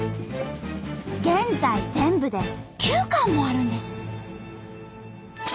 現在全部で９館もあるんです。